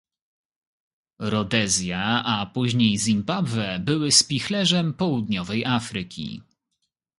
Rodezja, a później Zimbabwe, były spichlerzem południowej Afryki